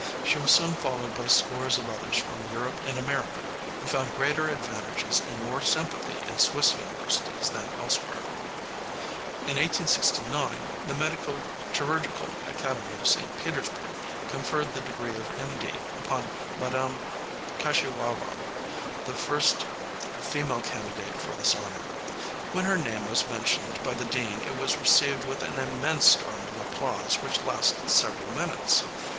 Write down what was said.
She was soon followed by scores of others from Europe and America, who found greater advantages and more sympathy in Swiss universities than elsewhere. In 1869 the Medico Chirurgical Academy of St. Petersburg conferred the degree of M.D. upon Madame Kaschewarow, the first female candidate for this honor. When her name was mentioned by the dean it was received with an immense storm of applause which lasted several minutes.